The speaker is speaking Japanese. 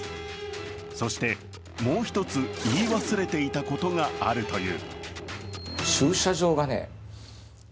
そしてもう一つ、言い忘れていたことがあるという。